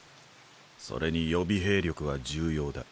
それに予備兵力は重要だ。